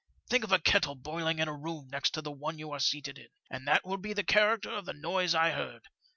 Think of a kettle boiling in a room next to the one you are seated iq, and that will be the character of the noise I heard.